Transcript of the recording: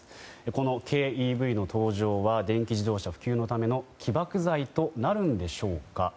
この軽ＥＶは電気自動車普及のための起爆剤となるんでしょうか。